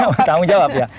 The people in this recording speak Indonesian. ya bertanggung jawab ya